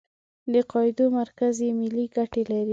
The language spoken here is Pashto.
د قاعدو مرکز یې ملي ګټې دي.